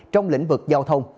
trong lĩnh vực giao thông